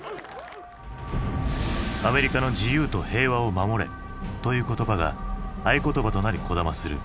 アメリカの自由と平和を守れという言葉が合言葉となりこだまする。